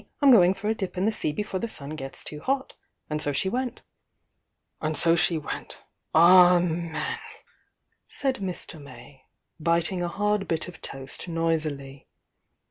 I'm going for a dip in the sea before the sun gets too hot.' And so she went." "And so she wentr— Amen!" said Mr. May, biting a hard bit of toast noisily.